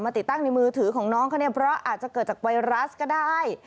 ติดตั้งในมือถือของน้องเขาเนี่ยเพราะอาจจะเกิดจากไวรัสก็ได้